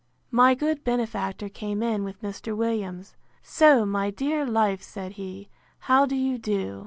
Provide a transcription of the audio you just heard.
My good benefactor came in with Mr. Williams: So, my dear life, said he, how do you do?